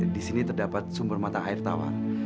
disini terdapat sumber mata air tawar